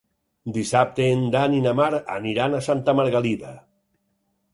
Dissabte en Dan i na Mar aniran a Santa Margalida.